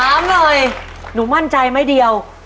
ถามหน่อยหนูมั่นใจไหมเดียว